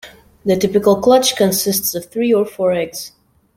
The typical clutch consists of three or four eggs.